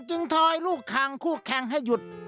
ทอยลูกคังคู่แข่งให้หยุด